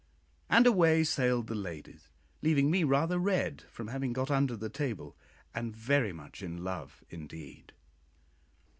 and away sailed the ladies, leaving me rather red from having got under the table, and very much in love indeed.